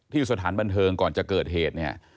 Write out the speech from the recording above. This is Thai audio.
สถานบันเทิงก่อนจะเกิดเหตุเนี่ย